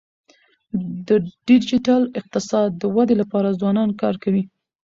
د ډیجیټل اقتصاد د ودي لپاره ځوانان کار کوي.